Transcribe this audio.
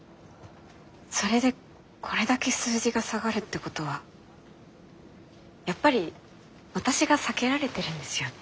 それでこれだけ数字が下がるってことはやっぱり私が避けられてるんですよね。